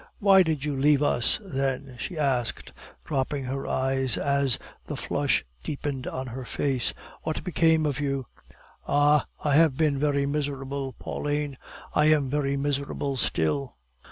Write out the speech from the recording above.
"Why did you leave us then?" she asked, dropping her eyes as the flush deepened on his face. "What became of you?" "Ah, I have been very miserable, Pauline; I am very miserable still."